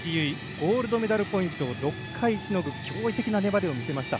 ゴールドメダルポイントを６回しのぐ驚異的な粘りを見せました。